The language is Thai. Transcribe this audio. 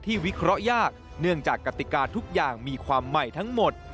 วิเคราะห์ยากเนื่องจากกติกาทุกอย่างมีความใหม่ทั้งหมด